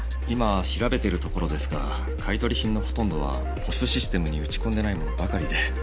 今調べているところですが買い取り品のほとんどはＰＯＳシステムに打ち込んでないものばかりで。